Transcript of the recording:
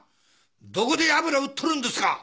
どこで油売っとるんですか？